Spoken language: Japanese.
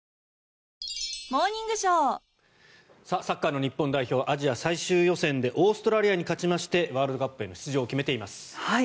サッカーの日本代表アジア最終予選でオーストラリアに勝ちましてワールドカップへの出場を決めています。